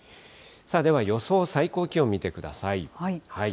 では予想最高気温、見てください。